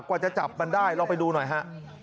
กว่าจะจับมันได้ลองไปดูหน่อยฮะ